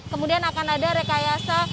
kemudian akan ada rekayasa